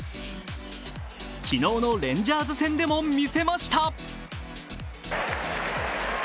昨日のレンジャーズ戦でも見せました。